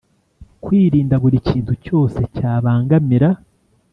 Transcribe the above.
Kwirinda buri kintu cyose cyabangamira